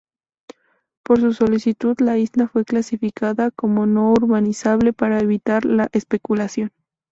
Por su solicitud, la isla fue clasificada como no urbanizable para evitar la especulación.